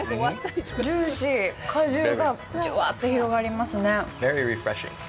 ジューシー果汁がじゅわっと広がりますね